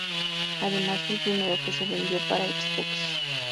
Además, fue el primero que se vendió para Xbox.